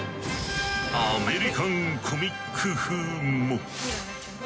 アメリカンコミック風も！